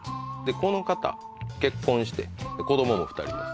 この方結婚して子供も２人います